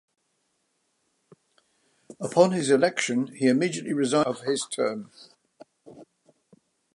Upon his election, he immediately resigns his seat for the duration of his term.